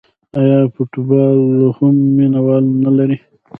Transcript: آیا فوتبال هم مینه وال نلري؟